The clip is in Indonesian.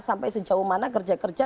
sampai sejauh mana kerja kerja